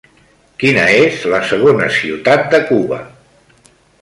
Quina és la segona ciutat de Cuba?